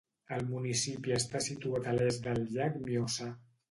El municipi està situat a l'est del llac Mjøsa.